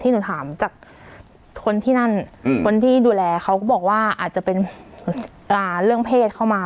หนูถามจากคนที่นั่นคนที่ดูแลเขาก็บอกว่าอาจจะเป็นเรื่องเพศเข้ามา